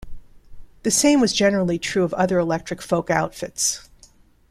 The same was generally true of other electric folk outfits.